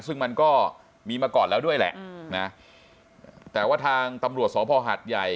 ซึ่งมันก็มีมาก่อนแล้วด้วยแหละนะแต่ว่าทางตำรวจสภหัดใหญ่